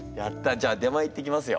じゃあ出前行ってきますよ。